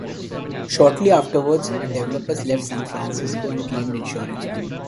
Shortly afterwards, the developers left San Francisco and claimed insurance money.